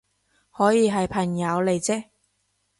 可以係朋友嚟啫